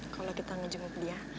kalo kita ngejemuk dia